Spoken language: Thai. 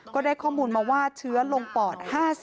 ก็ได้ข้อมูลมาว่าเชื้อลงปอด๕๐